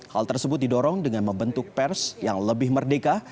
hal tersebut didorong dengan membentuk pers yang lebih merdeka